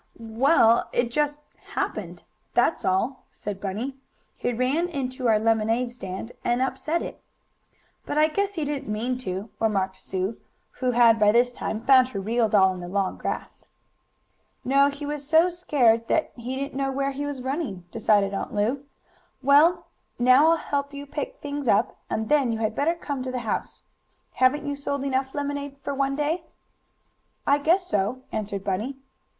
"Well, it just happened that's all," said Bunny. "He ran into our lemonade stand, and upset it." "But I guess he didn't mean to," remarked Sue, who had, by this time, found her real doll in the long grass. "No, he was so scared that he didn't know where he was running," decided Aunt Lu. "Well, now I'll help you pick things up, and then you had better come to the house. Haven't you sold enough lemonade for one day?" "I guess so," answered Bunny.